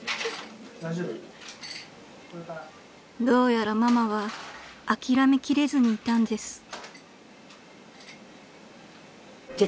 ［どうやらママは諦めきれずにいたんです］